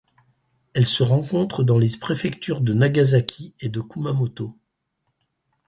Elle se rencontre dans les préfectures de Nagasaki et de Kumamoto.